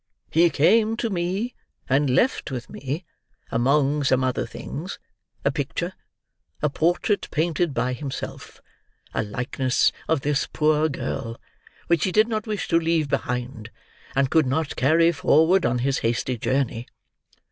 "He came to me, and left with me, among some other things, a picture—a portrait painted by himself—a likeness of this poor girl—which he did not wish to leave behind, and could not carry forward on his hasty journey.